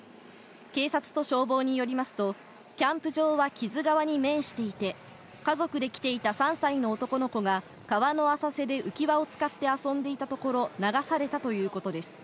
警察と消防によりますと、キャンプ場は木津川に面していて、家族で来ていた３歳の男の子が川の浅瀬で浮き輪を使って遊んでいたところ、流されたということです。